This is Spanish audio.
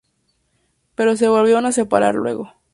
Pero se volvieron a separar luego.